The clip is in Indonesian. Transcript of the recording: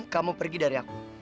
kamu pergi dari aku